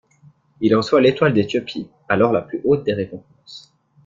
Il reçoit l'Étoile d'Éthiopie, alors la plus haute des récompenses.